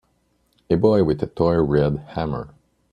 A boy with a toy red hammer.